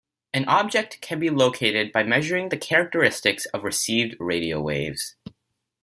An object can be located by measuring the characteristics of received radio waves.